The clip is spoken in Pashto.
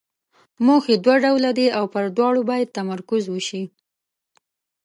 موخې دوه ډوله دي او پر دواړو باید تمرکز وشي.